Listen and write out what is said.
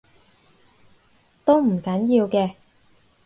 都唔緊要嘅